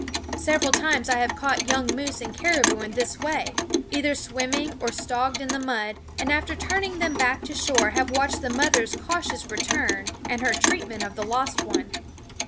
Several times I have caught young moose and caribou in this way, either swimming or stogged in the mud, and after turning them back to shore have watched the mother's cautious return and her treatment of the lost one.